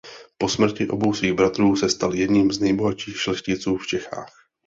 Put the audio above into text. Po smrti obou svých bratrů se stal jedním z nejbohatších šlechticů v Čechách.